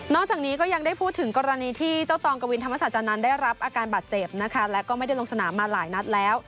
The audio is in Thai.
จากนี้ก็ยังได้พูดถึงกรณีที่เจ้าตองกวินธรรมศาจานนั้นได้รับอาการบาดเจ็บนะคะและก็ไม่ได้ลงสนามมาหลายนัดแล้ว